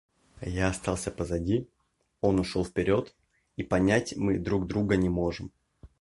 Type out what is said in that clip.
Я остался позади, он ушел вперед, и понять мы друг друга не можем.